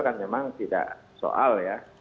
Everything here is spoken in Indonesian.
kan memang tidak soal ya